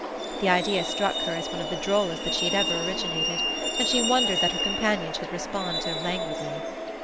The idea struck her as one of the drollest that she had ever originated, and she wondered that her companions should respond so languidly.